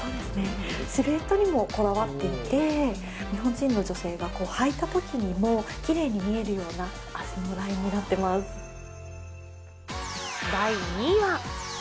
シルエットにもこだわっていて、日本人の女性がはいたときにもきれいに見えるような足のラインに第２位は。